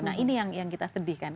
nah ini yang kita sedihkan